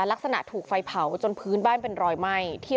ลักษณะถูกไฟเผาจนพื้นเป็นรอยไหม้คิดว่ามันเหมือนของมีใคร